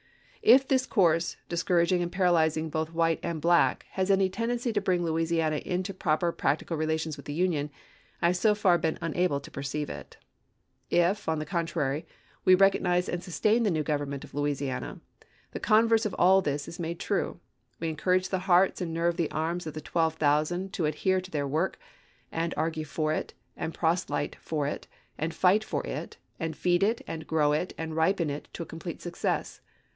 If this course, discouraging and paralyzing both white and black, has any tendency to bring Louisiana into proper practical relations with the Union, I have so far been unable to perceive it. If, on the con trary, we recognize and sustain the new govern ment of Louisiana, the converse of all this is made true. We encourage the hearts and nerve the arms of the twelve thousand to adhere to their work, and argue for it, and proselyte for it, and fight for it, and feed it, and grow it, and ripen it to a complete success.